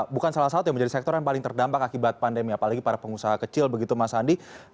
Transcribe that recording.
bukan salah satu yang menjadi sektor yang paling terdampak akibat pandemi apalagi para pengusaha kecil begitu mas andi